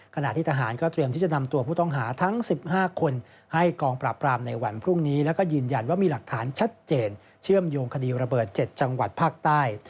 ขณะที่ทหารก็เตรียมที่จะนำตัวผู้ต้องหาทั้ง๑๕คนให้กองปราบปรามในวันพรุ่งนี้แล้วก็ยืนยันว่ามีหลักฐานชัดเจนเชื่อมโยงคดีระเบิด๗จังหวัดภาคใต้